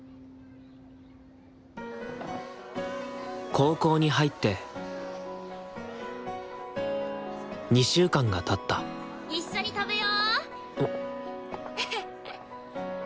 高校に入って２週間がたった一緒に食べよ。